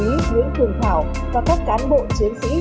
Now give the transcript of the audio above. nguyễn thường thảo và các cán bộ chiến sĩ